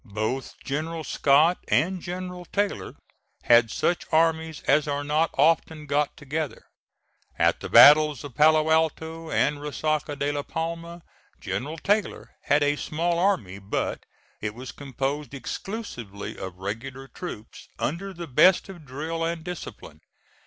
Both General Scott and General Taylor had such armies as are not often got together. At the battles of Palo Alto and Resaca de la Palma, General Taylor had a small army, but it was composed exclusively of regular troops, under the best of drill and discipline.